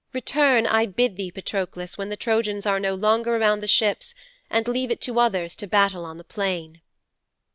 Return, I bid thee, Patroklos, when the Trojans are no longer around the ships, and leave it to others to battle on the plain."'